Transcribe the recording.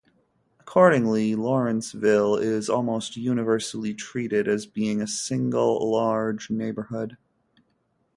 Accordingly, Lawrenceville is almost universally treated as being a single large neighborhood.